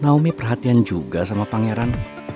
naomi perhatian juga sama pangeran